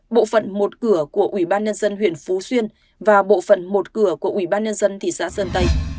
bộ phận một cửa của ủy ban nhân dân huyện phú xuyên và bộ phận một cửa của ủy ban nhân dân thị xã sơn tây